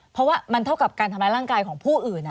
เพราะว่ามันเท่ากับการทำร้ายร่างกายของผู้อื่น